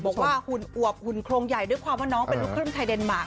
หุ่นอวบหุ่นโครงใหญ่ด้วยความว่าน้องเป็นลูกครึ่งไทยเดนมาร์